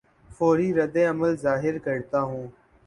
فوری رد عمل ظاہر کرتا ہوں